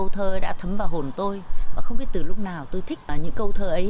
thơ đã thấm vào hồn tôi và không biết từ lúc nào tôi thích những câu thơ ấy